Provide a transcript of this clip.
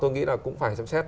tôi nghĩ là cũng phải xem xét